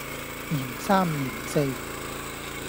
嫌三嫌四